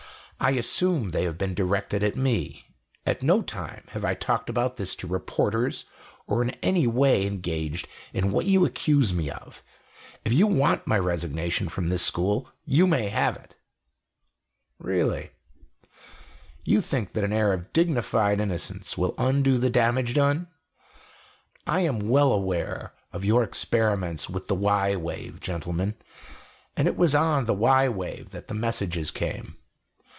I assume they have been directed at me. At no time have I talked about this to reporters, or in any way engaged in what you accuse me of. If you want my resignation from this school, you may have it." "Really? You think that an air of dignified innocence will undo the damage done? I am well aware of your experiments with the y wave, gentlemen and it was on the y wave that the messages came.